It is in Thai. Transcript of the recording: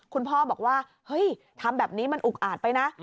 คุณพ่อบอกว่าเฮ้ยทำแบบนี้มันอุกอาจไปนะ